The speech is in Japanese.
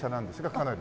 かなり。